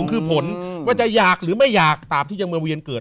คือผลว่าจะอยากหรือไม่อยากตามที่ยังเมืองเวียนเกิด